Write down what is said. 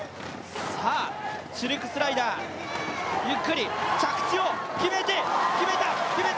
シルクスライダー、ゆっくり着地を決めて、決めた、決めた！